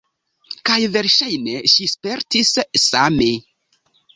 Kaj verŝajne ŝi spertis same.